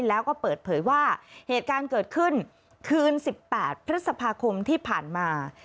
แล้วก็เปิดเผยว่าเหตุการณ์เกิดขึ้นคืน๑๘พฤษภาคมที่ผ่านมา